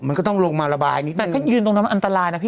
มันก็ต้องลงมาระบายนิดนึงแต่ถ้ายืนตรงนั้นมันอันตรายนะพี่